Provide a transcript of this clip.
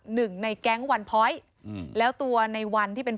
หนึ่งในแก๊งวันพอยต์แล้วตัวนายวันที่เป็นพ่อ